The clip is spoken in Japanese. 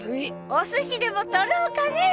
お寿司でもとろうかね。